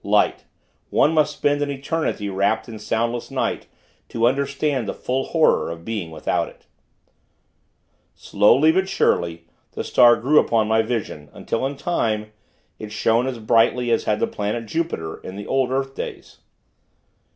Light! One must spend an eternity wrapped in soundless night, to understand the full horror of being without it. Slowly, but surely, the star grew upon my vision, until, in time, it shone as brightly as had the planet Jupiter, in the old earth days.